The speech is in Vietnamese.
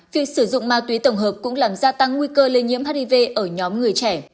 việc sử dụng ma túy tổng hợp cũng làm gia tăng nguy cơ lây nhiễm hiv ở nhóm người trẻ